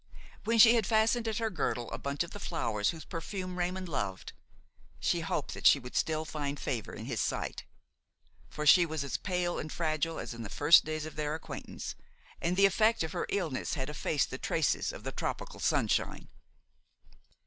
when she had fastened at her girdle a bunch of the flowers whose perfume Raymond loved, she hoped that she would still find favor in his sight; for she was as pale and fragile as in the first days of their acquaintance, and the effect of her illness had effaced the traces of the tropical sunshine.